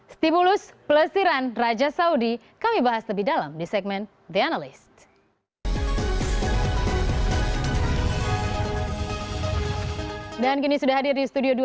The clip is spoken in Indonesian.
stimulus pelesiran raja saudi kami bahas lebih dalam di segmen the analyst